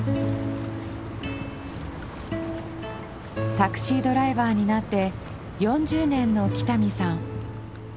タクシードライバーになって４０年の北見さん。